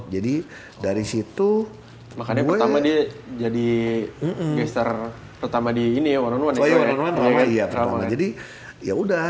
jadi dari situ makanya pertama dia jadi mister pertama di ini warna warna ya jadi ya udah